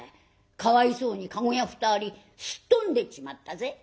かわいそうに駕籠屋２人すっ飛んでっちまったぜ」。